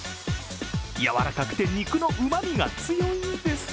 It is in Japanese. やわらかくて、肉のうまみが強いんです。